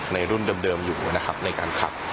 ในรุ่นเดิมอยู่นะครับในการขับ